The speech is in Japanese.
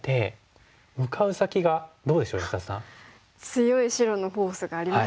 強い白のフォースがありますね。